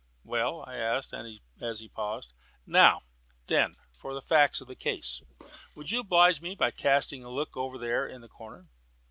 "Well?" I asked, as he paused. "Now then for the facts of the case. Would you oblige me by casting a look over there in the corner?"